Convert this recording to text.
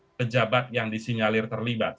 ada pejabat yang disinyalir terlibat